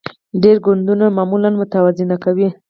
ډیر ګوندونه معامله متوازنه کوي